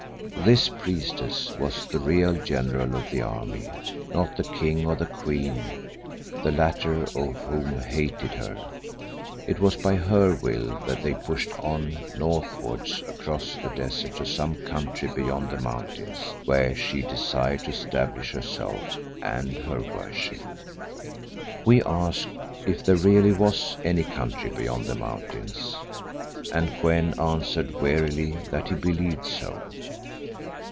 This priestess was the real general of the army, not the king or the queen, the latter of whom hated her. It was by her will that they pushed on northwards across the desert to some country beyond the mountains, where she desired to establish herself and her worship. We asked if there really was any country beyond the mountains, and Kou en answered wearily that he believed so.